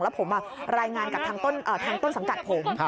แล้วผมรายงานกับทางต้นสังกัดผม